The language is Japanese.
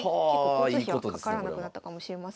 交通費はかからなくなったかもしれません。